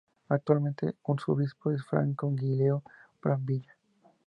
Actualmente su obispo es Franco Giulio Brambilla.